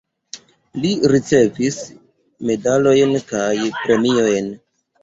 Li ricevis medalojn kaj premiojn.